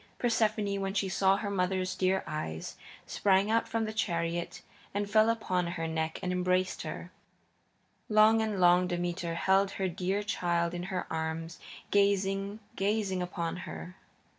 Persephone, when she saw her mother's dear eyes, sprang out of the chariot and fell upon her neck and embraced her. Long and long Demeter held her dear child in her arms, gazing, gazing upon her.